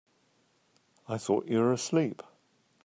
I thought you were asleep.